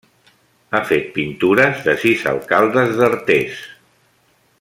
Ha fet pintures de sis alcaldes d'Artés.